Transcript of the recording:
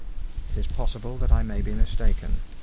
It is possible that I may be mistaken.